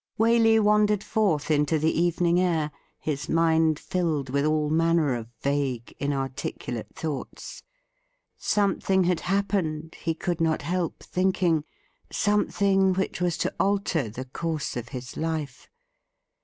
Waley wandered forth into the evening air, his mind filled with all manner of vague, inarticulate thoughts. Some thing had happened, he could not help thinking — some thing which was to alter the course of his life.